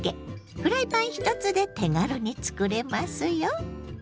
フライパン１つで手軽につくれますよ。